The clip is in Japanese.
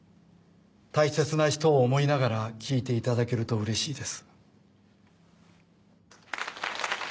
大切な人を思いながら聴いていただけるとうれしいです。